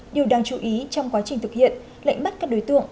điều đáng chú ý trong quá trình thực hiện lệnh bắt các đối tượng